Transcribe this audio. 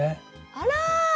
あら！